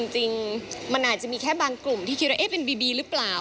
จริงมันอาจจะมีแค่บางกลุ่มที่คิดว่าเป็นบีบีหรือเปล่า